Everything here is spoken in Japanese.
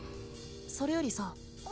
それよりさ